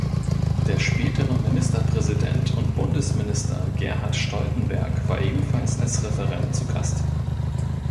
Der spätere Ministerpräsident und Bundesminister Gerhard Stoltenberg war ebenfalls als Referent zu Gast.